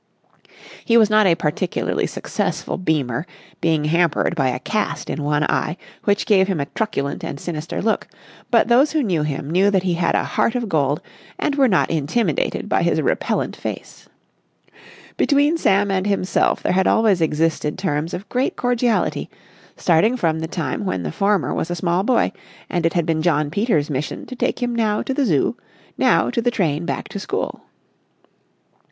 He was not a particularly successful beamer, being hampered by a cast in one eye which gave him a truculent and sinister look; but those who knew him knew that he had a heart of gold and were not intimidated by his repellent face. Between Sam and himself there had always existed terms of great cordiality, starting from the time when the former was a small boy and it had been John Peters' mission to take him now to the Zoo, now to the train back to school.